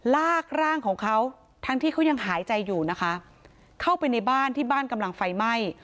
ลากร่างของเขาทั้งที่เขายังหายใจอยู่นะคะเข้าไปในบ้านที่บ้านกำลังไฟไหม้